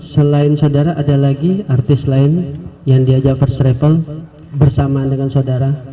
selain saudara ada lagi artis lain yang diajak first travel bersama dengan saudara